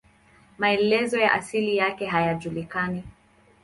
Maelezo ya asili yake hayajulikani.